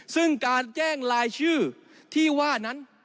ซึ่งการแจ้งรายชื่อที่ว่านั้น